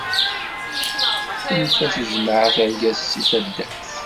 Tenfa tejmaɛt argaz seg taddart.